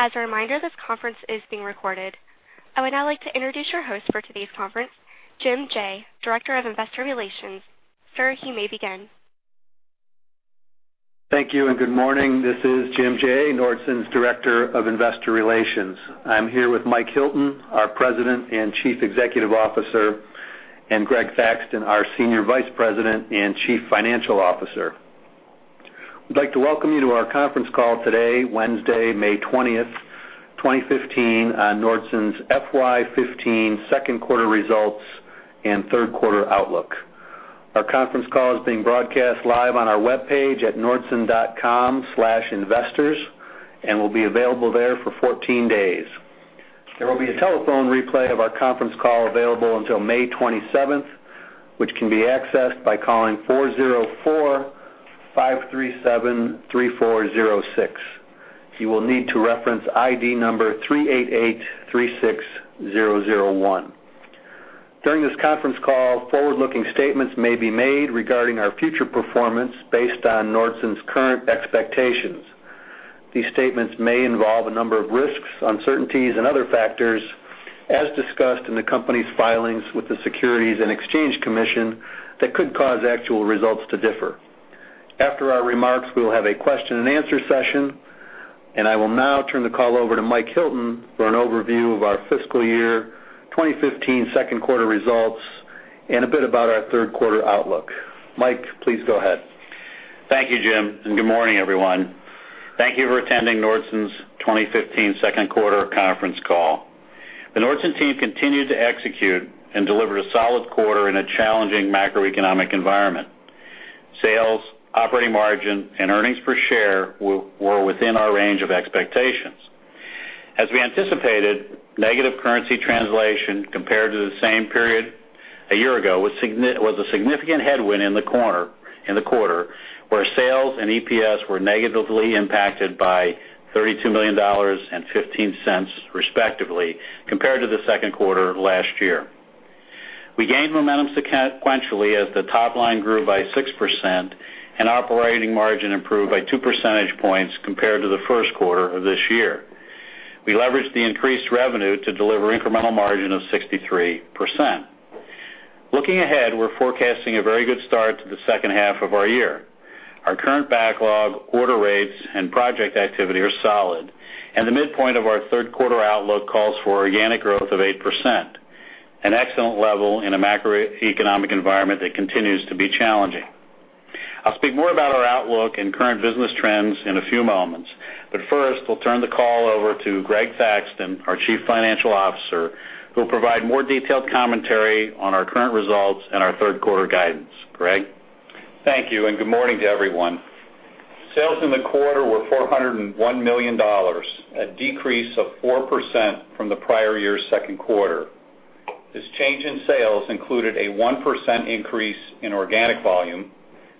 As a reminder, this conference is being recorded. I would now like to introduce your host for today's conference, Jim Jaye, Director of Investor Relations. Sir, you may begin. Thank you and good morning. This is Jim Jaye, Nordson's Director of Investor Relations. I'm here with Mike Hilton, our President and Chief Executive Officer, and Greg Thaxton, our Senior Vice President and Chief Financial Officer. We'd like to welcome you to our conference call today, Wednesday, May 20th, 2015, on Nordson's FY 2015 second quarter results and third quarter outlook. Our conference call is being broadcast live on our webpage at nordson.com/investors and will be available there for 14 days. There will be a telephone replay of our conference call available until May 27th, which can be accessed by calling 404-537-3406. You will need to reference ID number 38836001. During this conference call, forward-looking statements may be made regarding our future performance based on Nordson's current expectations. These statements may involve a number of risks, uncertainties and other factors, as discussed in the company's filings with the Securities and Exchange Commission that could cause actual results to differ. After our remarks, we will have a question and answer session, and I will now turn the call over to Mike Hilton for an overview of our fiscal year 2015 second quarter results and a bit about our third quarter outlook. Mike, please go ahead. Thank you, Jim, and good morning, everyone. Thank you for attending Nordson's 2015 second quarter conference call. The Nordson team continued to execute and delivered a solid quarter in a challenging macroeconomic environment. Sales, operating margin and earnings per share were within our range of expectations. As we anticipated, negative currency translation compared to the same period a year ago was a significant headwind in the quarter, where sales and EPS were negatively impacted by $32 million and $0.15, respectively, compared to the second quarter of last year. We gained momentum sequentially as the top line grew by 6% and operating margin improved by two percentage points compared to the first quarter of this year. We leveraged the increased revenue to deliver incremental margin of 63%. Looking ahead, we're forecasting a very good start to the second half of our year. Our current backlog, order rates and project activity are solid, and the midpoint of our third quarter outlook calls for organic growth of 8%, an excellent level in a macroeconomic environment that continues to be challenging. I'll speak more about our outlook and current business trends in a few moments, but first, we'll turn the call over to Greg Thaxton, our Chief Financial Officer, who'll provide more detailed commentary on our current results and our third quarter guidance. Greg? Thank you and good morning to everyone. Sales in the quarter were $401 million, a decrease of 4% from the prior year's second quarter. This change in sales included a 1% increase in organic volume,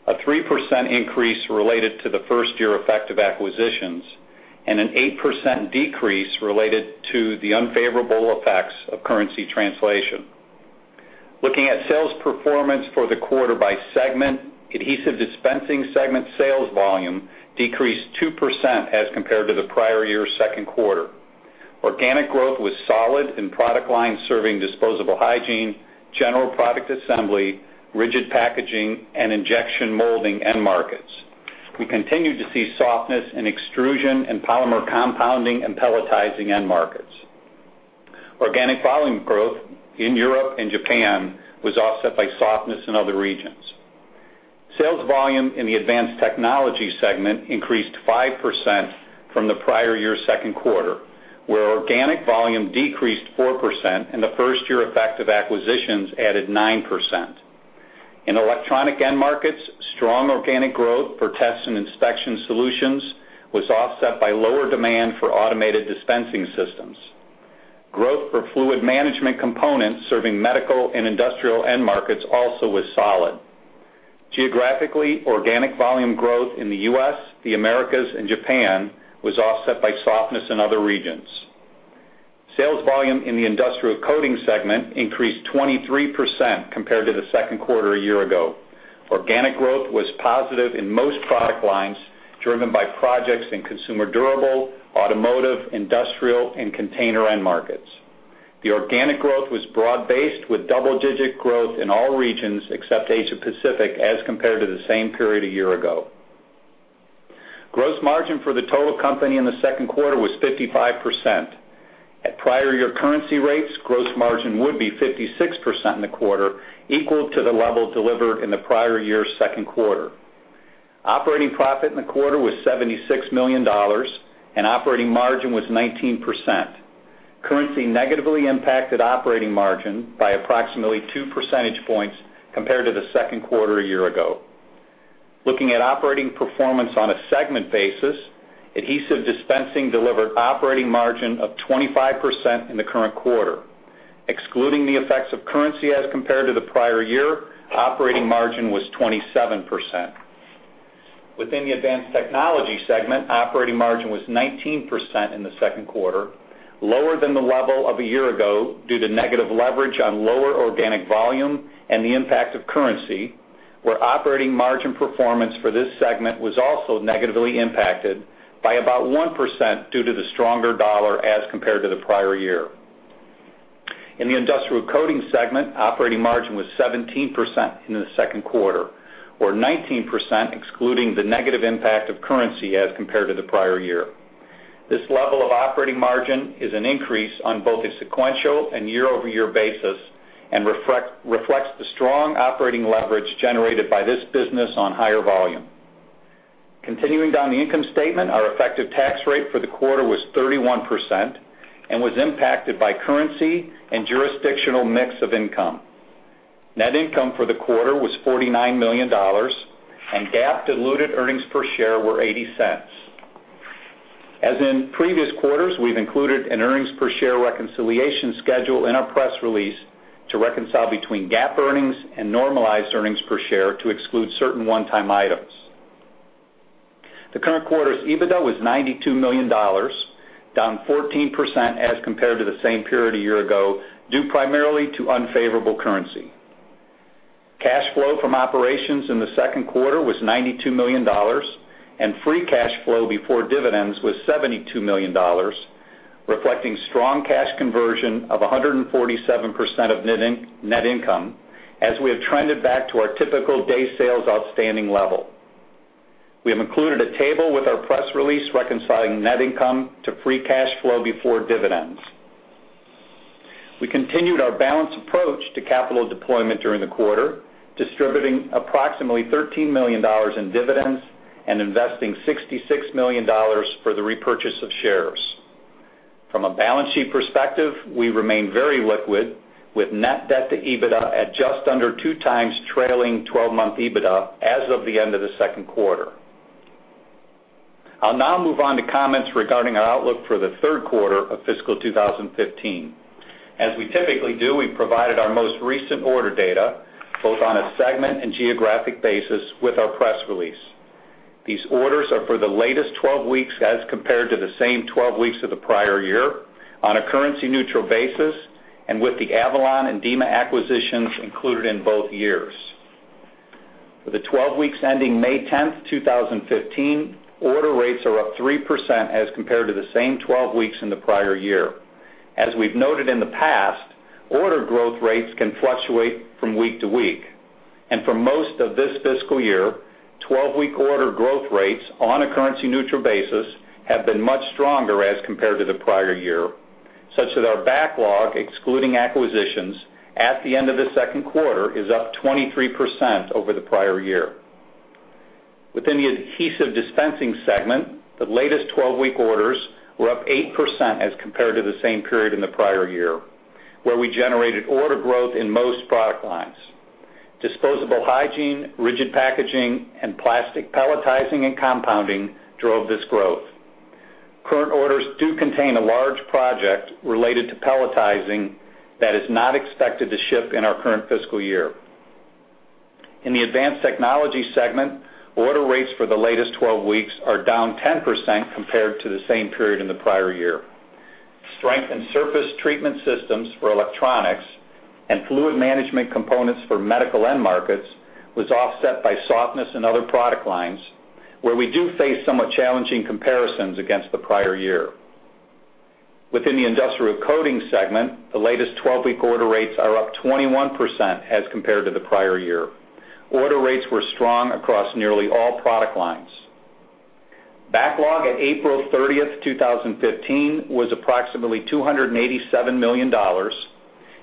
a 3% increase related to the first year effect of acquisitions, and an 8% decrease related to the unfavorable effects of currency translation. Looking at sales performance for the quarter by segment, Adhesive Dispensing segment sales volume decreased 2% as compared to the prior year's second quarter. Organic growth was solid in product lines serving disposable hygiene, general product assembly, rigid packaging and injection molding end markets. We continued to see softness in extrusion and polymer compounding and pelletizing end markets. Organic volume growth in Europe and Japan was offset by softness in other regions. Sales volume in the Advanced Technology segment increased 5% from the prior year's second quarter, where organic volume decreased 4% and the first year effect of acquisitions added 9%. In electronic end markets, strong organic growth for tests and inspection solutions was offset by lower demand for automated dispensing systems. Growth for fluid management components serving medical and industrial end markets also was solid. Geographically, organic volume growth in the U.S., the Americas and Japan was offset by softness in other regions. Sales volume in the Industrial Coating segment increased 23% compared to the second quarter a year ago. Organic growth was positive in most product lines, driven by projects in consumer durable, automotive, industrial and container end markets. The organic growth was broad-based with double-digit growth in all regions except Asia-Pacific as compared to the same period a year ago. Gross margin for the total company in the second quarter was 55%. At prior year currency rates, gross margin would be 56% in the quarter, equal to the level delivered in the prior year's second quarter. Operating profit in the quarter was $76 million and operating margin was 19%. Currency negatively impacted operating margin by approximately 2 percentage points compared to the second quarter a year ago. Looking at operating performance on a segment basis, Adhesive Dispensing delivered operating margin of 25% in the current quarter. Excluding the effects of currency as compared to the prior year, operating margin was 27%. Within the Advanced Technology Solutions segment, operating margin was 19% in the second quarter, lower than the level of a year ago due to negative leverage on lower organic volume and the impact of currency. Where operating margin performance for this segment was also negatively impacted by about 1% due to the stronger dollar as compared to the prior year. In the Industrial Coating segment, operating margin was 17% in the second quarter, or 19% excluding the negative impact of currency as compared to the prior year. This level of operating margin is an increase on both a sequential and year-over-year basis, and reflects the strong operating leverage generated by this business on higher volume. Continuing down the income statement, our effective tax rate for the quarter was 31% and was impacted by currency and jurisdictional mix of income. Net income for the quarter was $49 million and GAAP diluted earnings per share were $0.80. As in previous quarters, we've included an earnings per share reconciliation schedule in our press release to reconcile between GAAP earnings and normalized earnings per share to exclude certain one-time items. The current quarter's EBITDA was $92 million, down 14% as compared to the same period a year ago, due primarily to unfavorable currency. Cash flow from operations in the second quarter was $92 million, and free cash flow before dividends was $72 million, reflecting strong cash conversion of 147% of net income, as we have trended back to our typical day sales outstanding level. We have included a table with our press release reconciling net income to free cash flow before dividends. We continued our balanced approach to capital deployment during the quarter, distributing approximately $13 million in dividends and investing $66 million for the repurchase of shares. From a balance sheet perspective, we remain very liquid, with net debt to EBITDA at just under 2x trailing 12-month EBITDA as of the end of the second quarter. I'll now move on to comments regarding our outlook for the third quarter of fiscal 2015. We typically provide our most recent order data, both on a segment and geographic basis, with our press release. These orders are for the latest 12 weeks as compared to the same 12 weeks of the prior year on a currency-neutral basis, and with the Avalon and Dima acquisitions included in both years. For the 12 weeks ending May 10th, 2015, order rates are up 3% as compared to the same 12 weeks in the prior year. As we've noted in the past, order growth rates can fluctuate from week to week. For most of this fiscal year, 12-week order growth rates on a currency-neutral basis have been much stronger as compared to the prior year, such that our backlog, excluding acquisitions, at the end of the second quarter is up 23% over the prior year. Within the Adhesive Dispensing segment, the latest 12-week orders were up 8% as compared to the same period in the prior year, where we generated order growth in most product lines. Disposable hygiene, rigid packaging, and plastic pelletizing and compounding drove this growth. Current orders do contain a large project related to pelletizing that is not expected to ship in our current fiscal year. In the Advanced Technology segment, order rates for the latest 12 weeks are down 10% compared to the same period in the prior year. Strength in surface treatment systems for electronics and fluid management components for medical end markets was offset by softness in other product lines, where we do face somewhat challenging comparisons against the prior year. Within the Industrial Coatings segment, the latest 12-week order rates are up 21% as compared to the prior year. Order rates were strong across nearly all product lines. Backlog at April 30th, 2015 was approximately $287 million,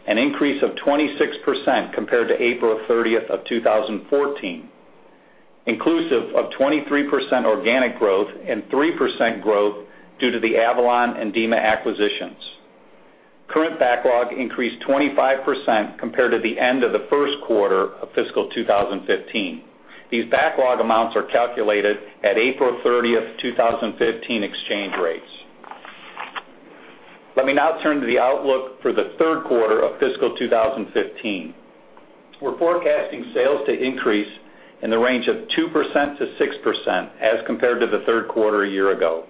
an increase of 26% compared to April 30th, 2014, inclusive of 23% organic growth and 3% growth due to the Avalon and Dima acquisitions. Current backlog increased 25% compared to the end of the first quarter of fiscal 2015. These backlog amounts are calculated at April 30th, 2015 exchange rates. Let me now turn to the outlook for the third quarter of fiscal 2015. We're forecasting sales to increase in the range of 2%-6% as compared to the third quarter a year ago.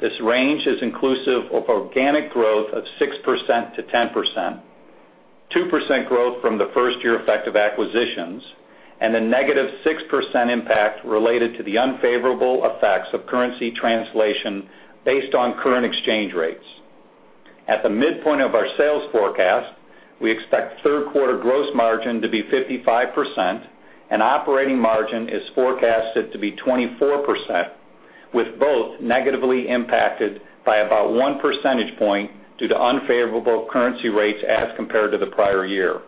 This range is inclusive of organic growth of 6%-10%, 2% growth from the first-year effect of acquisitions, and a -6% impact related to the unfavorable effects of currency translation based on current exchange rates. At the midpoint of our sales forecast, we expect third quarter gross margin to be 55% and operating margin is forecasted to be 24%, with both negatively impacted by about 1 percentage point due to unfavorable currency rates as compared to the prior year.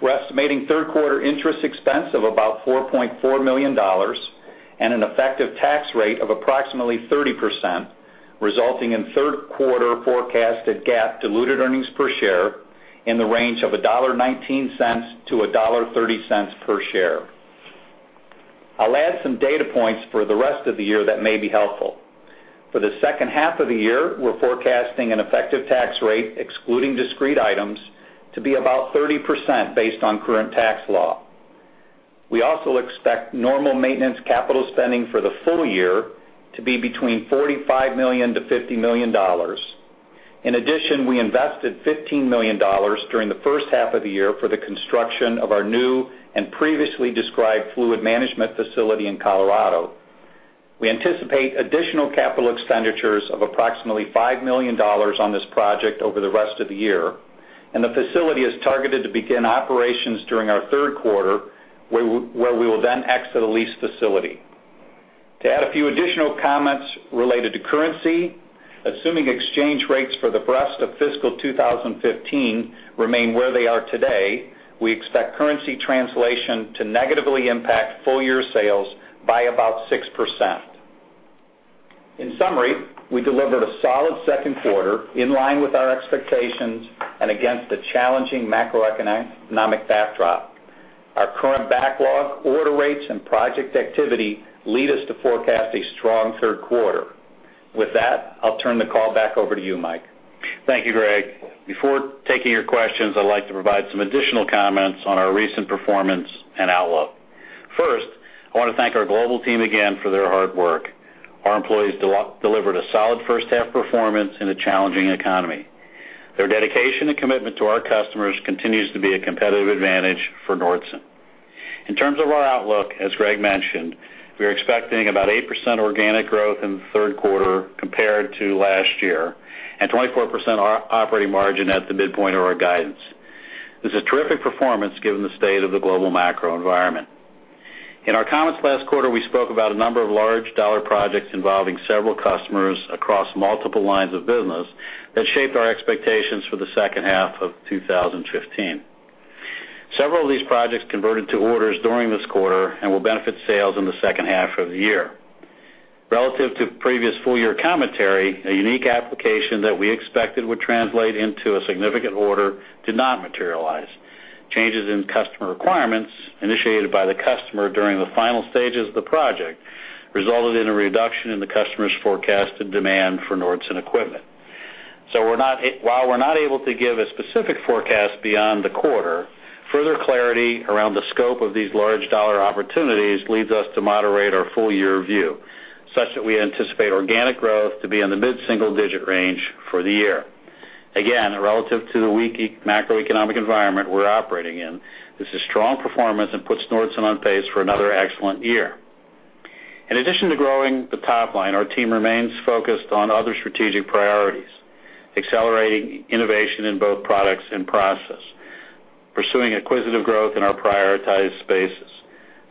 We're estimating third quarter interest expense of about $4.4 million and an effective tax rate of approximately 30%, resulting in third quarter forecasted GAAP diluted earnings per share in the range of $1.19-$1.30 per share. I'll add some data points for the rest of the year that may be helpful. For the second half of the year, we're forecasting an effective tax rate, excluding discrete items, to be about 30% based on current tax law. We also expect normal maintenance capital spending for the full year to be between $45 million-$50 million. In addition, we invested $15 million during the first half of the year for the construction of our new and previously described fluid management facility in Colorado. We anticipate additional capital expenditures of approximately $5 million on this project over the rest of the year, and the facility is targeted to begin operations during our third quarter, where we will then exit a leased facility. To add a few additional comments related to currency, assuming exchange rates for the rest of fiscal 2015 remain where they are today, we expect currency translation to negatively impact full year sales by about 6%. In summary, we delivered a solid second quarter in line with our expectations and against the challenging macroeconomic backdrop. Our current backlog, order rates and project activity lead us to forecast a strong third quarter. With that, I'll turn the call back over to you, Mike. Thank you, Greg. Before taking your questions, I'd like to provide some additional comments on our recent performance and outlook. First, I wanna thank our global team again for their hard work. Our employees delivered a solid first half performance in a challenging economy. Their dedication and commitment to our customers continues to be a competitive advantage for Nordson. In terms of our outlook, as Greg mentioned, we are expecting about 8% organic growth in the third quarter compared to last year, and 24% operating margin at the midpoint of our guidance. This is a terrific performance given the state of the global macro environment. In our comments last quarter, we spoke about a number of large dollar projects involving several customers across multiple lines of business that shaped our expectations for the second half of 2015. Several of these projects converted to orders during this quarter and will benefit sales in the second half of the year. Relative to previous full year commentary, a unique application that we expected would translate into a significant order did not materialize. Changes in customer requirements initiated by the customer during the final stages of the project resulted in a reduction in the customer's forecasted demand for Nordson equipment. While we're not able to give a specific forecast beyond the quarter, further clarity around the scope of these large dollar opportunities leads us to moderate our full year view, such that we anticipate organic growth to be in the mid-single-digit range for the year. Again, relative to the weak macroeconomic environment we're operating in, this is strong performance and puts Nordson on pace for another excellent year. In addition to growing the top line, our team remains focused on other strategic priorities, accelerating innovation in both products and process, pursuing acquisitive growth in our prioritized spaces,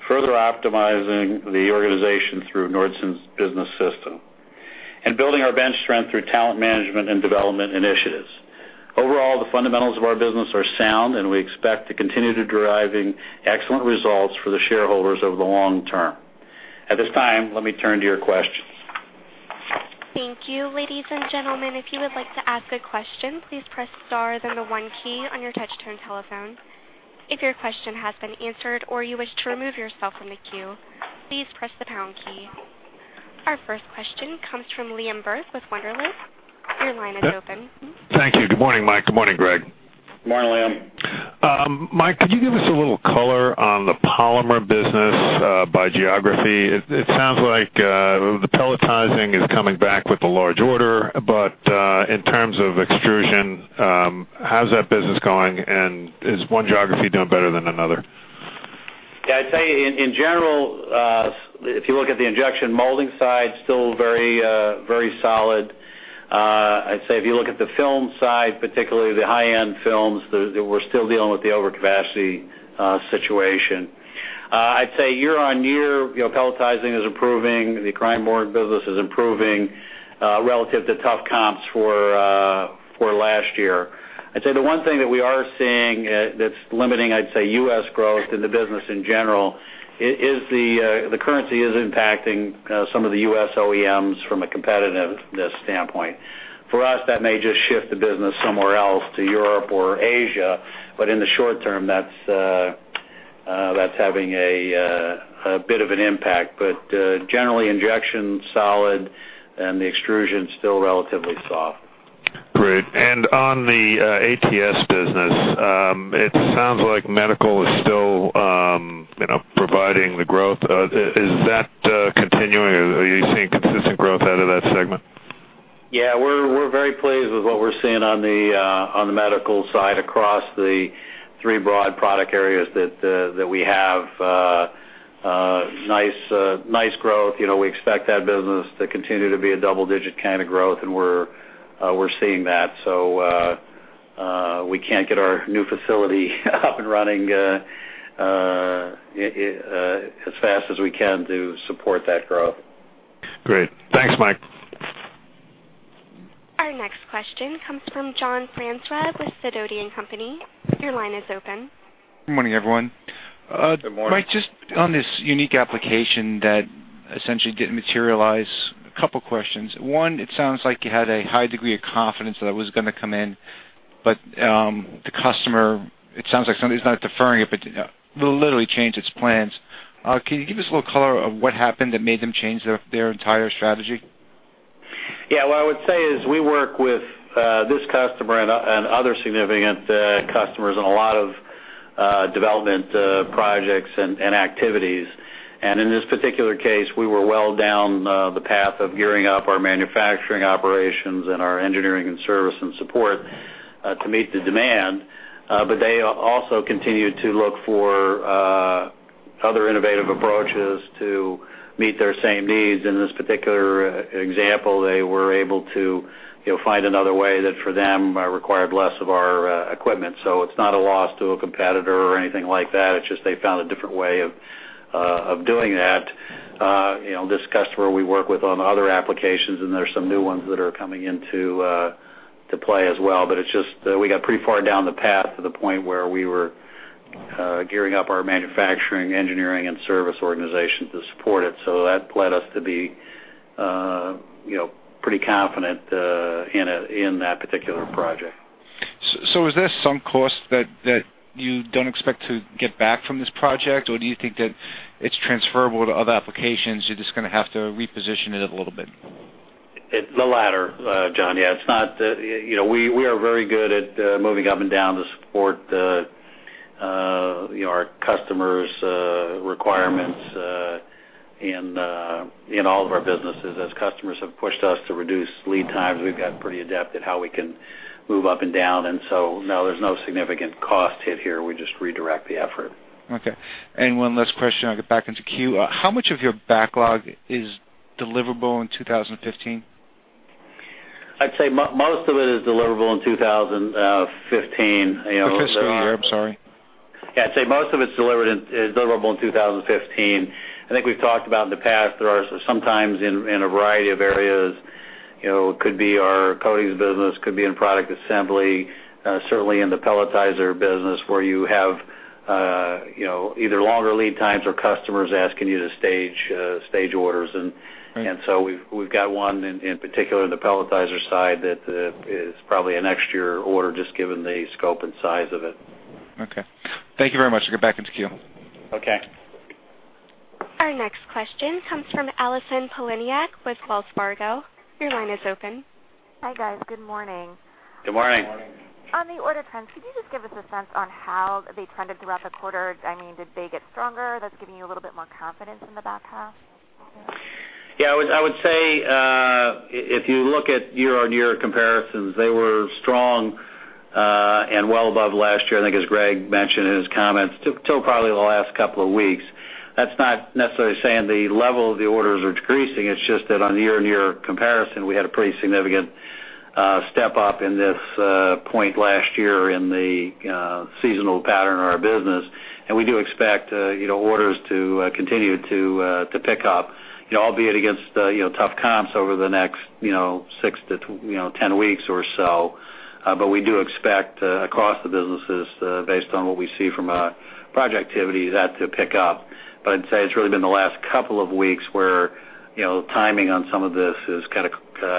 further optimizing the organization through Nordson's business system, and building our bench strength through talent management and development initiatives. Overall, the fundamentals of our business are sound, and we expect to continue deriving excellent results for the shareholders over the long term. At this time, let me turn to your questions. Thank you. Ladies and gentlemen, if you would like to ask a question, please press star, then the one key on your touch-tone telephone. If your question has been answered or you wish to remove yourself from the queue, please press the pound key. Our first question comes from Liam Burke with Wunderlich. Your line is open. Thank you. Good morning, Mike. Good morning, Greg. Good morning, Liam. Mike, could you give us a little color on the polymer business by geography? It sounds like the pelletizing is coming back with a large order, but in terms of extrusion, how's that business going, and is one geography doing better than another? Yeah, I'd say in general, if you look at the injection molding side, still very solid. I'd say if you look at the film side, particularly the high-end films, we're still dealing with the overcapacity situation. I'd say year-on-year, you know, pelletizing is improving, the Kreyenborg business is improving, relative to tough comps for last year. I'd say the one thing that we are seeing that's limiting, I'd say, U.S. growth in the business in general is the currency is impacting some of the U.S. OEMs from a competitiveness standpoint. For us, that may just shift the business somewhere else to Europe or Asia, but in the short term, that's having a bit of an impact. Generally, injection solid and the extrusion still relatively soft. Great. On the ATS business, it sounds like medical is still, you know, providing the growth. Is that continuing or are you seeing consistent growth out of that segment? Yeah, we're very pleased with what we're seeing on the medical side across the three broad product areas that we have. Nice growth. You know, we expect that business to continue to be a double-digit kind of growth, and we're seeing that. We can't get our new facility up and running as fast as we can to support that growth. Great. Thanks, Mike. Our next question comes from John Franzreb with Sidoti & Company. Your line is open. Good morning, everyone. Good morning. Mike, just on this unique application that essentially didn't materialize, a couple questions. One, it sounds like you had a high degree of confidence that it was gonna come in, but the customer, it sounds like somebody's not deferring it, but literally changed its plans. Can you give us a little color of what happened that made them change their entire strategy? Yeah. What I would say is we work with this customer and other significant customers on a lot of development projects and activities. In this particular case, we were well down the path of gearing up our manufacturing operations and our engineering and service and support to meet the demand. They also continued to look for other innovative approaches to meet their same needs. In this particular example, they were able to, you know, find another way that for them required less of our equipment. It's not a loss to a competitor or anything like that. It's just they found a different way of doing that. You know, this customer we work with on other applications, and there's some new ones that are coming into play as well. It's just we got pretty far down the path to the point where we were gearing up our manufacturing, engineering, and service organization to support it. That led us to be you know pretty confident in that particular project. Is there some cost that you don't expect to get back from this project? Or do you think that it's transferable to other applications, you're just gonna have to reposition it a little bit? The latter, John. Yeah, it's not, you know, we are very good at moving up and down to support the, you know, our customers' requirements in all of our businesses. As customers have pushed us to reduce lead times, we've got pretty adept at how we can move up and down. No, there's no significant cost hit here. We just redirect the effort. Okay. One last question, I'll get back into queue. How much of your backlog is deliverable in 2015? I'd say most of it is deliverable in 2015. You know, there are. The fiscal year. I'm sorry. Yeah, I'd say most of it's deliverable in 2015. I think we've talked about in the past, there are some times in a variety of areas, you know, it could be our coatings business, could be in product assembly, certainly in the pelletizer business where you have, you know, either longer lead times or customers asking you to stage orders. We've got one in particular in the pelletizer side that is probably a next year order just given the scope and size of it. Okay. Thank you very much. I'll get back into queue. Okay. Our next question comes from Allison Poliniak with Wells Fargo. Your line is open. Hi, guys. Good morning. Good morning. On the order trends, could you just give us a sense on how they trended throughout the quarter? I mean, did they get stronger, thus giving you a little bit more confidence in the back half? Yeah, I would say, if you look at year-on-year comparisons, they were strong, and well above last year. I think as Greg mentioned in his comments, till probably the last couple of weeks. That's not necessarily saying the level of the orders are decreasing. It's just that on a year-on-year comparison, we had a pretty significant step up in this point last year in the seasonal pattern of our business. We do expect, you know, orders to continue to pick up, you know, albeit against, you know, tough comps over the next 6-10 weeks or so. We do expect, across the businesses, based on what we see from a project activity, that to pick up. I'd say it's really been the last couple of weeks where, you know, timing on some of this has kind of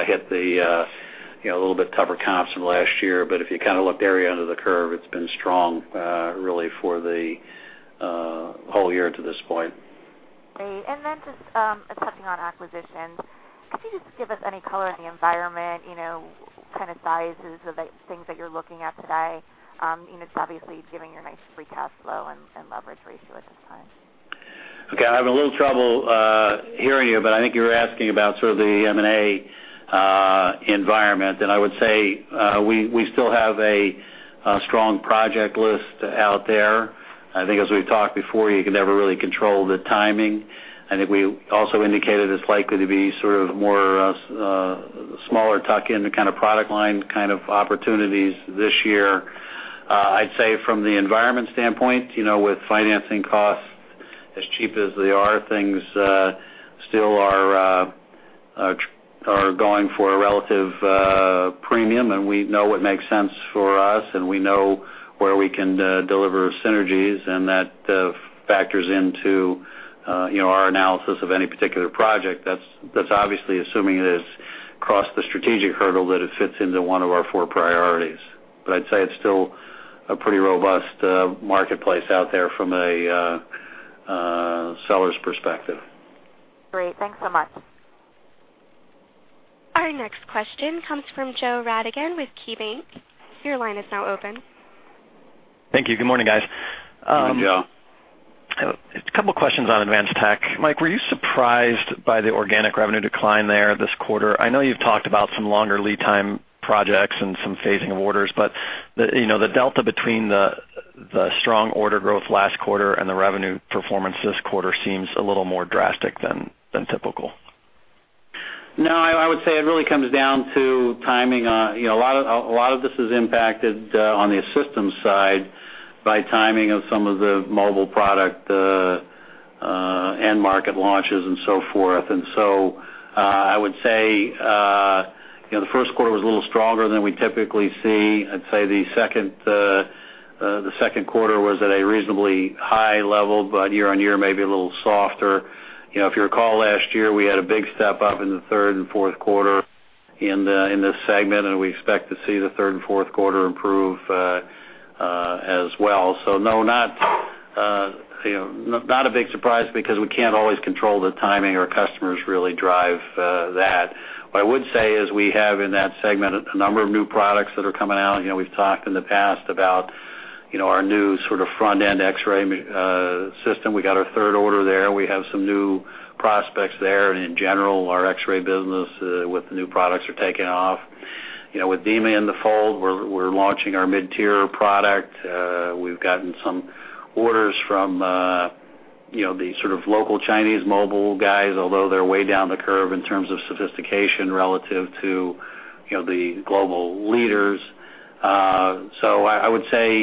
hit the you know a little bit tougher comps from last year. If you kind of looked area under the curve, it's been strong really for the whole year to this point. Great. Just touching on acquisitions, could you just give us any color on the environment? You know, kind of sizes of the things that you're looking at today. You know, it's obviously giving you a nice free cash flow and leverage ratio at this time. Okay. I'm having a little trouble hearing you, but I think you were asking about sort of the M&A environment. I would say we still have a strong project list out there. I think as we've talked before, you can never really control the timing. I think we also indicated it's likely to be sort of more smaller tuck-in, the kind of product line kind of opportunities this year. I'd say from the environment standpoint, you know, with financing costs as cheap as they are, things still are going for a relative premium, and we know what makes sense for us, and we know where we can deliver synergies, and that factors into you know, our analysis of any particular project. That's obviously assuming it has crossed the strategic hurdle that it fits into one of our four priorities. I'd say it's still a pretty robust marketplace out there from a seller's perspective. Great. Thanks so much. Our next question comes from Joe Radigan with KeyBanc. Your line is now open. Thank you. Good morning, guys. Good morning, Joe. A couple questions on Advanced Tech. Mike, were you surprised by the organic revenue decline there this quarter? I know you've talked about some longer lead time projects and some phasing of orders, but the, you know, the delta between the strong order growth last quarter and the revenue performance this quarter seems a little more drastic than typical. No, I would say it really comes down to timing on, you know, a lot of this is impacted on the systems side by timing of some of the mobile product end market launches and so forth. I would say, you know, the first quarter was a little stronger than we typically see. I'd say the second quarter was at a reasonably high level, but year-on-year, maybe a little softer. You know, if you recall, last year, we had a big step up in the third and fourth quarter in this segment, and we expect to see the third and fourth quarter improve as well. No, not a big surprise because we can't always control the timing. Our customers really drive that. What I would say is we have in that segment a number of new products that are coming out. You know, we've talked in the past about. You know, our new sort of front-end X-ray system, we got our third order there. We have some new prospects there. In general, our X-ray business with the new products are taking off. You know, with Dima in the fold, we're launching our mid-tier product. We've gotten some orders from, you know, the sort of local Chinese mobile guys, although they're way down the curve in terms of sophistication relative to, you know, the global leaders. So I would say,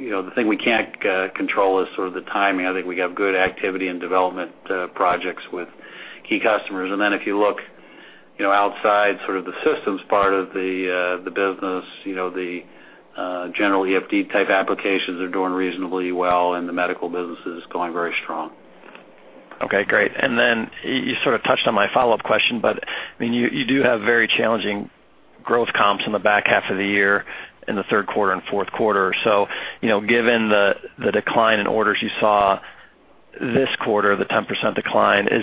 you know, the thing we can't control is sort of the timing. I think we have good activity in development projects with key customers. If you look, you know, outside sort of the systems part of the business, you know, the general EFD-type applications are doing reasonably well, and the medical business is going very strong. Okay, great. You sort of touched on my follow-up question, but I mean, you do have very challenging growth comps in the back half of the year in the third quarter and fourth quarter. You know, given the decline in orders you saw this quarter, the 10% decline, is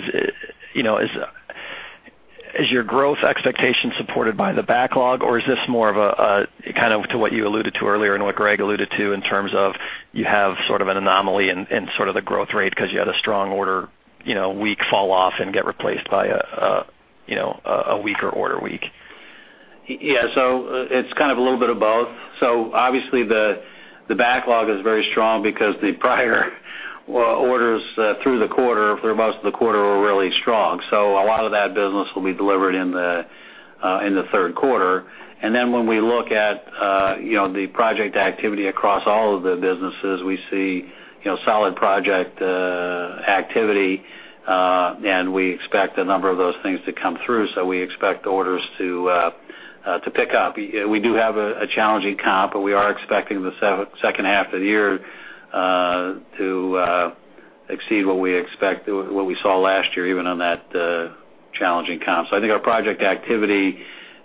your growth expectation supported by the backlog, or is this more of a kind of to what you alluded to earlier and what Greg alluded to in terms of you have sort of an anomaly in sort of the growth rate because you had a strong order week fall off and get replaced by a weaker order week? Yeah. It's kind of a little bit of both. Obviously, the backlog is very strong because the prior orders through the quarter, for most of the quarter were really strong. A lot of that business will be delivered in the third quarter. Then when we look at, you know, the project activity across all of the businesses, we see, you know, solid project activity, and we expect a number of those things to come through. We expect orders to pick up. We do have a challenging comp, but we are expecting the second half of the year to exceed what we saw last year, even on that challenging comp. I think our project activity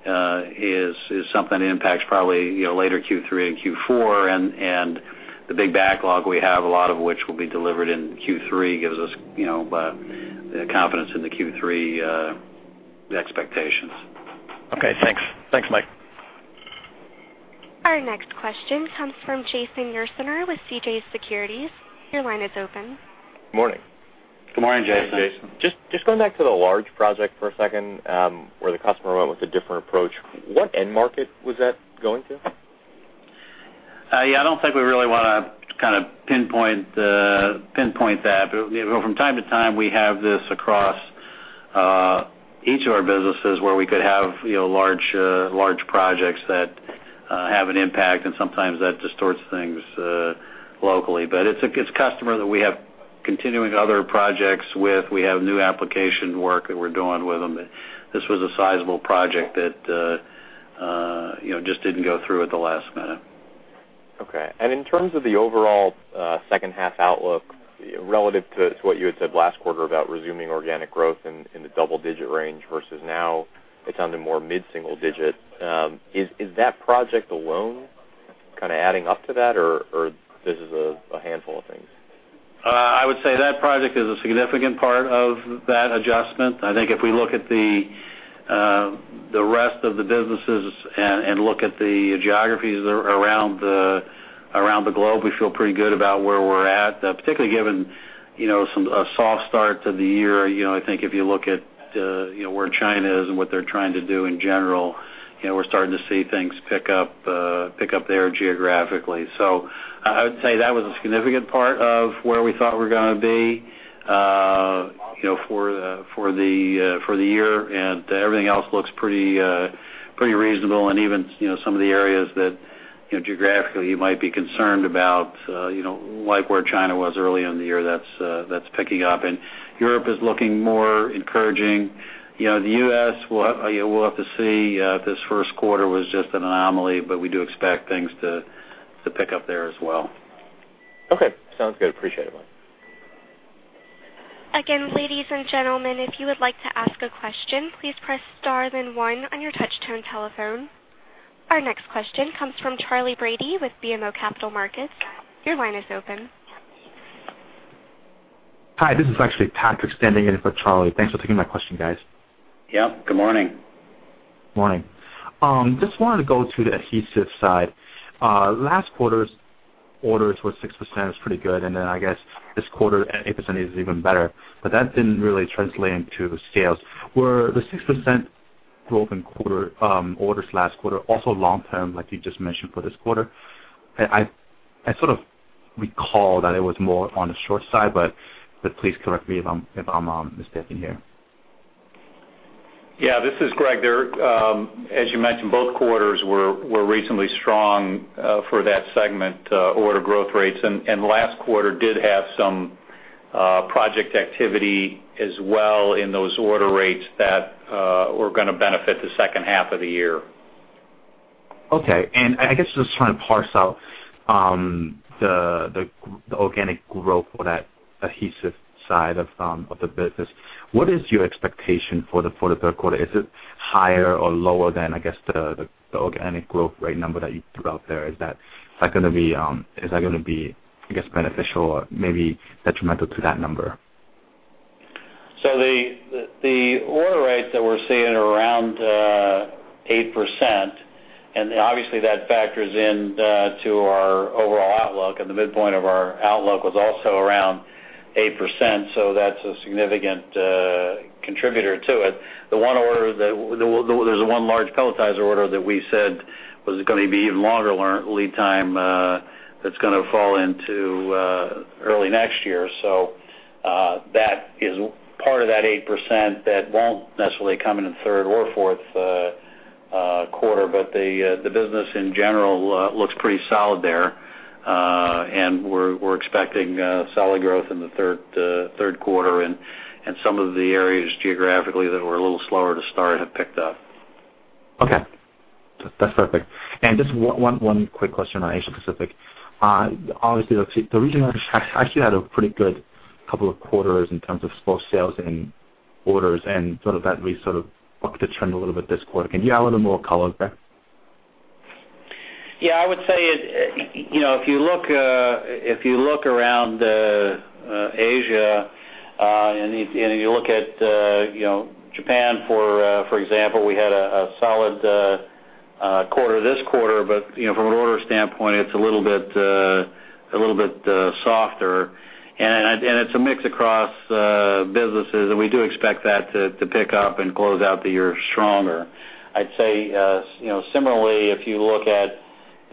is something that impacts probably, you know, later Q3 and Q4. The big backlog we have, a lot of which will be delivered in Q3, gives us, you know, the confidence in the Q3 expectations. Okay. Thanks, Mike. Our next question comes from Jason Ursaner with CJS Securities. Your line is open. Morning. Good morning, Jason. Just going back to the large project for a second, where the customer went with a different approach, what end market was that going to? Yeah, I don't think we really wanna kind of pinpoint that. You know, from time to time, we have this across each of our businesses where we could have, you know, large projects that have an impact, and sometimes that distorts things locally. It's a customer that we have continuing other projects with. We have new application work that we're doing with them. This was a sizable project that you know just didn't go through at the last minute. Okay. In terms of the overall second half outlook relative to what you had said last quarter about resuming organic growth in the double-digit range versus now it's more mid-single-digit, is that project alone kind of adding up to that or this is a handful of things? I would say that project is a significant part of that adjustment. I think if we look at the rest of the businesses and look at the geographies around the globe, we feel pretty good about where we're at, particularly given you know a soft start to the year. You know, I think if you look at you know where China is and what they're trying to do in general, you know, we're starting to see things pick up there geographically. I would say that was a significant part of where we thought we were gonna be you know for the year. Everything else looks pretty reasonable. Even, you know, some of the areas that, you know, geographically you might be concerned about, you know, like where China was early in the year, that's picking up. Europe is looking more encouraging. You know, the U.S., we'll have to see. This first quarter was just an anomaly, but we do expect things to pick up there as well. Okay. Sounds good. Appreciate it, Mike. Again, ladies and gentlemen, if you would like to ask a question, please press star then one on your touch-tone telephone. Our next question comes from Charlie Brady with BMO Capital Markets. Your line is open. Hi, this is actually Patrick standing in for Charlie. Thanks for taking my question, guys. Yep. Good morning. Morning. Just wanted to go to the adhesive side. Last quarter's orders were 6%, it's pretty good. I guess this quarter at 8% is even better. That didn't really translate into sales. Was the 6% growth in orders last quarter also long-term, like you just mentioned for this quarter? I sort of recall that it was more on the short side, but please correct me if I'm mistaken here. Yeah. This is Greg. As you mentioned, both quarters were reasonably strong for that segment, order growth rates. Last quarter did have some project activity as well in those order rates that were gonna benefit the second half of the year. Okay. I guess, just trying to parse out the organic growth for that adhesive side of the business. What is your expectation for the third quarter? Is it higher or lower than, I guess, the organic growth rate number that you threw out there? Is that gonna be, I guess, beneficial or maybe detrimental to that number? The order rates that we're seeing around 8%, and obviously, that factors in to our overall outlook, and the midpoint of our outlook was also around 8%, that's a significant contributor to it. There's one large pelletizer order that we said was gonna be even longer lead time, that's gonna fall into early next year. That is part of that 8% that won't necessarily come in in third or fourth quarter, but the business in general looks pretty solid there. We're expecting solid growth in the third quarter and some of the areas geographically that were a little slower to start have picked up. Okay. That's perfect. Just one quick question on Asia-Pacific. Obviously, the region actually had a pretty good couple of quarters in terms of slow sales and orders, and sort of that sort of bucked the trend a little bit this quarter. Can you add a little more color there? I would say it, you know, if you look around Asia, and if you look at, you know, Japan, for example, we had a solid quarter this quarter, but, you know, from an order standpoint, it's a little bit softer. It's a mix across businesses, and we do expect that to pick up and close out the year stronger. I'd say, you know, similarly, if you look at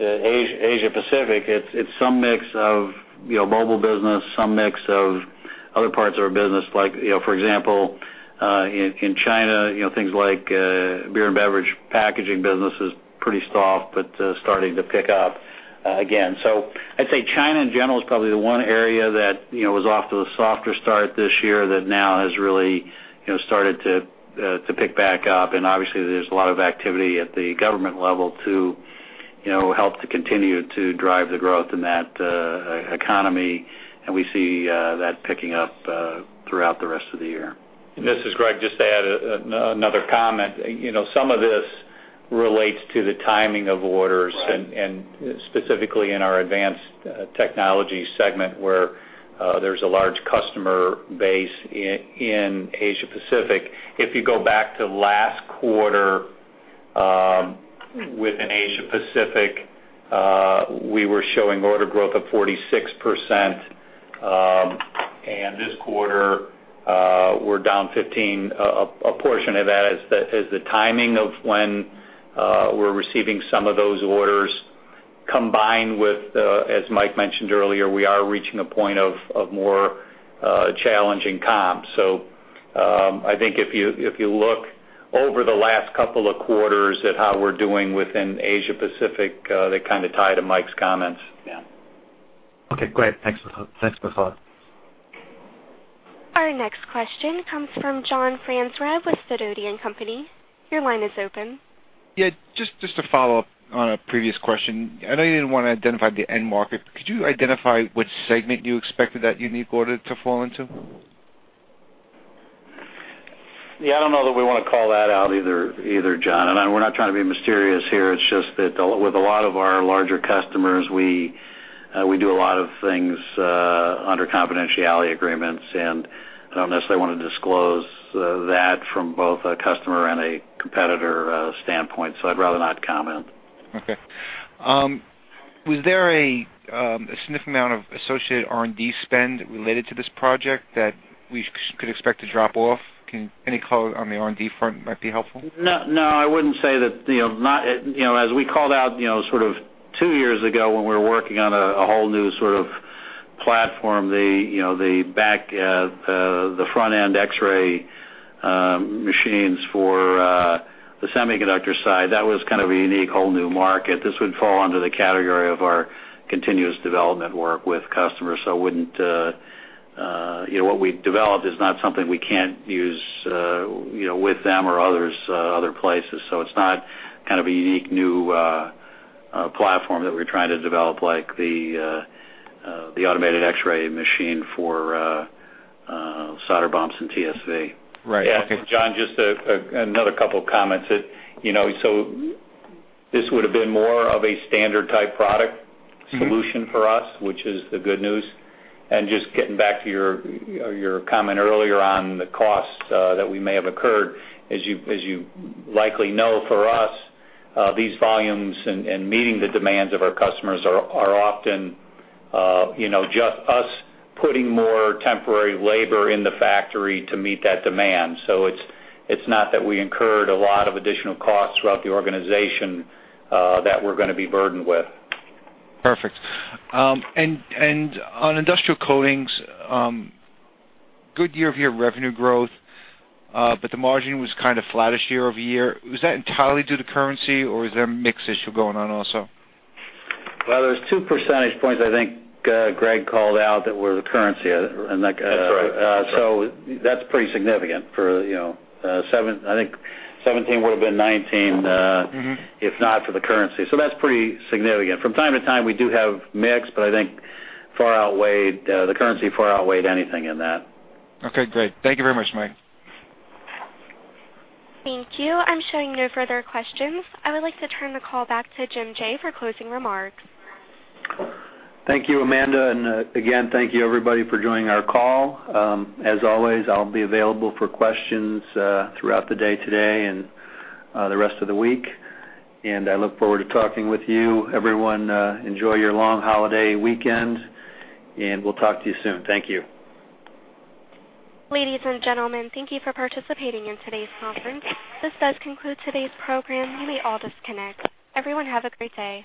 Asia-Pacific, it's some mix of, you know, mobile business, some mix of other parts of our business like, you know, for example, in China, you know, things like beer and beverage packaging business is pretty soft but starting to pick up again. I'd say China in general is probably the one area that, you know, was off to a softer start this year that now has really, you know, started to pick back up. Obviously, there's a lot of activity at the government level to, you know, help to continue to drive the growth in that economy, and we see that picking up throughout the rest of the year. This is Greg. Just to add another comment. You know, some of this relates to the timing of orders. Right. Specifically in our Advanced Technology segment, where there's a large customer base in Asia-Pacific. If you go back to last quarter, within Asia-Pacific, we were showing order growth of 46%. This quarter, we're down 15%. A portion of that is the timing of when we're receiving some of those orders, combined with, as Mike mentioned earlier, we are reaching a point of more challenging comps. I think if you look over the last couple of quarters at how we're doing within Asia-Pacific, they kinda tie to Mike's comments. Yeah. Okay, great. Thanks for the thought. Our next question comes from John Franzreb with Sidoti & Company. Your line is open. Yeah, just to follow up on a previous question. I know you didn't wanna identify the end market. Could you identify which segment you expected that unique order to fall into? Yeah, I don't know that we wanna call that out either, John. We're not trying to be mysterious here. It's just that with a lot of our larger customers, we do a lot of things under confidentiality agreements, and I don't necessarily wanna disclose that from both a customer and a competitor standpoint, so I'd rather not comment. Was there a significant amount of associated R&D spend related to this project that we could expect to drop off? Any color on the R&D front might be helpful. No, I wouldn't say that, you know, not as we called out, you know, sort of two years ago when we were working on a whole new sort of platform, you know, the front-end X-ray machines for the semiconductor side, that was kind of a unique whole new market. This would fall under the category of our continuous development work with customers, so I wouldn't, you know, what we developed is not something we can't use, you know, with them or others, other places. It's not kind of a unique new platform that we're trying to develop, like the automated X-ray machine for solder bumps and TSV. Right. Okay. John, just another couple comments. You know, this would have been more of a standard-type product solution for us, which is the good news. Just getting back to your comment earlier on the costs that we may have incurred. As you likely know, for us, these volumes and meeting the demands of our customers are often, you know, just us putting more temporary labor in the factory to meet that demand. It's not that we incurred a lot of additional costs throughout the organization that we're gonna be burdened with. Perfect. On Industrial Coatings, good year-over-year revenue growth, but the margin was kind of flattish year-over-year. Was that entirely due to currency, or is there a mix issue going on also? Well, there's 2 percentage points I think, Greg called out that were the currency and like. That's right. That's pretty significant for, you know, I think 17 would have been 19. If not for the currency, that's pretty significant. From time to time, we do have mix, but I think the currency far outweighed anything in that. Okay, great. Thank you very much, Mike. Thank you. I'm showing no further questions. I would like to turn the call back to Jim Jaye for closing remarks. Thank you, Amanda. Again, thank you everybody for joining our call. As always, I'll be available for questions, throughout the day today and, the rest of the week, and I look forward to talking with you. Everyone, enjoy your long holiday weekend, and we'll talk to you soon. Thank you. Ladies and gentlemen, thank you for participating in today's conference. This does conclude today's program. You may all disconnect. Everyone, have a great day.